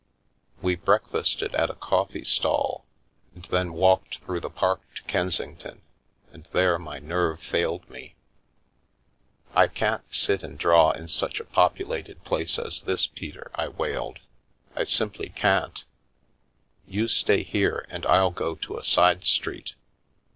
We breakfasted at a coffee stall, and then walked through the park to Kensington, and there my nerve failed me. "I can't sit and draw in such a populated place as this, Peter," I wailed, " I simply can't. You stay here, and I'll go to a side street."